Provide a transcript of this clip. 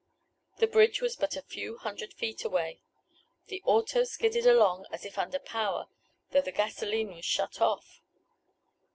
The bridge was but a few hundred feet away. The auto skidded along as if under power, though the gasolene was shut off.